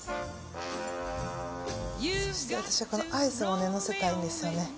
そして私はこのアイスをねのせたいんですよね。